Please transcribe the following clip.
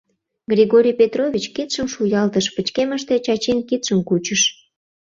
Григорий Петрович кидшым шуялтыш, пычкемыште Чачин кидшым кучыш.